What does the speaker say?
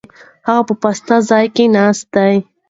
هغه په پاسته ځای کې ناست دی.